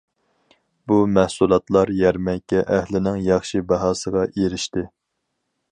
بۇ مەھسۇلاتلار يەرمەنكە ئەھلىنىڭ ياخشى باھاسىغا ئېرىشتى.